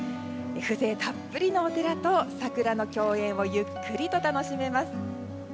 風情たっぷりのお寺と桜の共演をゆっくりと楽しめます。